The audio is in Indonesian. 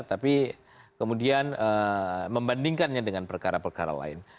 tapi kemudian membandingkannya dengan perkara perkara lain